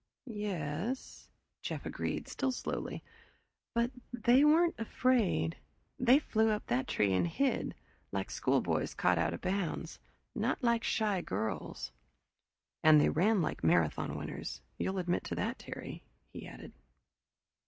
"Yes " Jeff agreed, still slowly. "But they weren't afraid they flew up that tree and hid, like schoolboys caught out of bounds not like shy girls." "And they ran like marathon winners you'll admit that, Terry," he added.